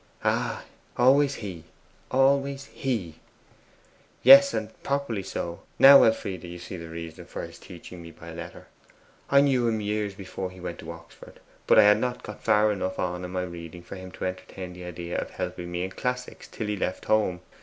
'Ah, always he always he!' 'Yes, and properly so. Now, Elfride, you see the reason of his teaching me by letter. I knew him years before he went to Oxford, but I had not got far enough in my reading for him to entertain the idea of helping me in classics till he left home.